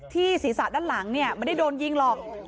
ที่ศีรษะด้านหลังเนี้ยมันได้โดนยิงหรอก